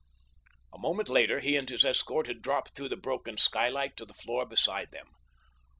A moment later he and his escort had dropped through the broken skylight to the floor beside them.